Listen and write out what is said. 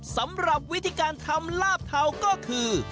สำหรับวิธีการทำลาบเทาก็คือ